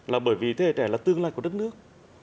là bởi vì thế hệ trẻ là tương lai của đất nước